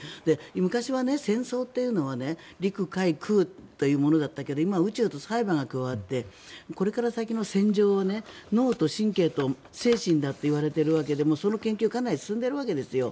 昔は戦争というのは陸海空だったけど今は宇宙とサイバーが加わってこれから先の戦場は脳と神経と精神だって言われているわけでその研究はかなり進んでいるわけですよ。